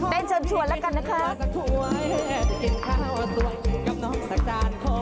เชิญชวนแล้วกันนะคะ